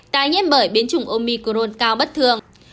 tái nhiễm bởi biến chủng omicron cao bất thường